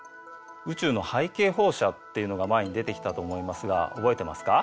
宇宙の背景放射っていうのが前に出てきたと思いますが覚えてますか？